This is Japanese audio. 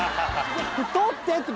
採ってって。